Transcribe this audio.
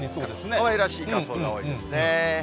かわいらしい仮装が多いですね。